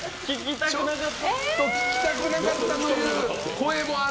聞きたくなかったという声も。